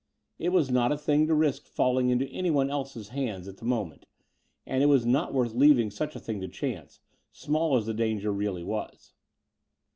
It was not a thing to risk falling into anyone else's hands at the moment: and it was not worth leaving such a thing to chance, small as the danger really was.